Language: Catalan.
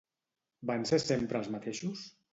Van ser sempre els mateixos?